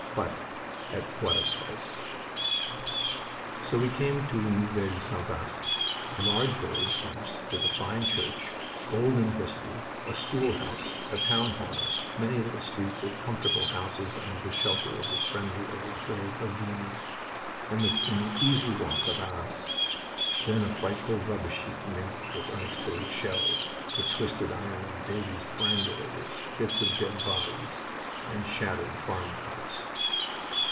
But at what a price!" So we came to Neuville St. Vaast, a large village once with a fine church, old in history, a schoolhouse, a town hall, many little streets of comfortable houses under the shelter of the friendly old hill of Vimy, and within easy walk of Arras; then a frightful rubbish heap mingled with unexploded shells, the twisted iron of babies' perambulators, bits of dead bodies, and shattered farm carts.